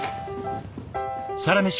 「サラメシ」